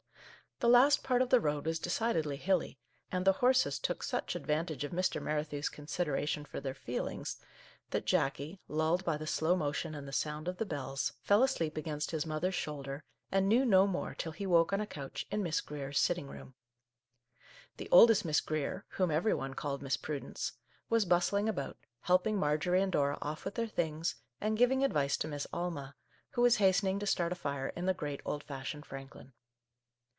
The last part of the road was decidedly hilly, and the horses took such advantage of Mr. Merrithew's consideration for their feel ings, that Jackie, lulled by the slow motion and the sound of the bells, fell asleep against 106 Our Little Canadian Cousin his mother's shoulder, and knew no more till he woke on a couch in Miss Grier's sitting room. The oldest Miss Grier — whom every one called Miss Prudence — was bustling about, helping Marjorie and Dora off with their things, and giving advice to Miss Alma, who was hastening to start a fire in the great old fashioned Franklin.